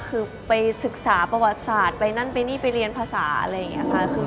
คือไปศึกษาประวัติศาสตร์ไปนั่นไปนี่ไปเรียนภาษาอะไรอย่างนี้ค่ะ